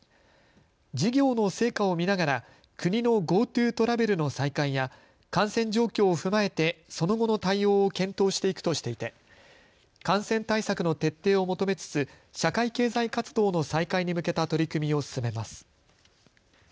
事業の成果を見ながら国のＧｏＴｏトラベルの再開や感染状況を踏まえてその後の対応を検討していくとしていて感染対策の徹底を求めつつ社会経済活動の再開に向けた取り組みを進めます。